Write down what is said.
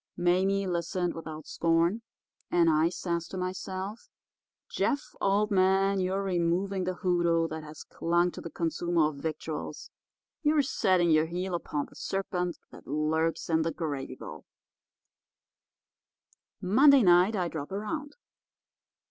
Mame listened without scorn, and I says to myself, 'Jeff, old man, you're removing the hoodoo that has clung to the consumer of victuals; you're setting your heel upon the serpent that lurks in the gravy bowl.' "Monday night I drop around.